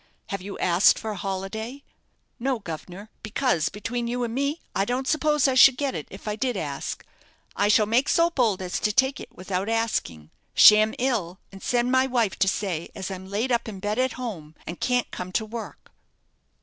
"Have you asked for a holiday?" "No, guv'nor; because, between you and me, I don't suppose I should get it if I did ask. I shall make so bold as to take it without asking. Sham ill, and send my wife to say as I'm laid up in bed at home, and can't come to work."